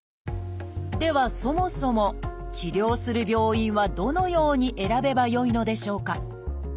ではそもそも治療する病院はどのように選べばよいのでしょうか？